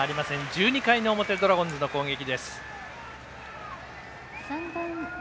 １２回の表ドラゴンズの攻撃です。